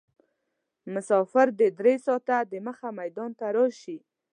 مسافر دې درې ساعته دمخه میدان ته راشي.